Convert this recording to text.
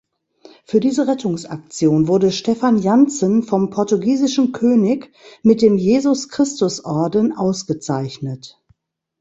Für diese Rettungsaktion wurde Stephan Jantzen vom portugiesischen König mit dem „Jesus-Christus-Orden“ ausgezeichnet.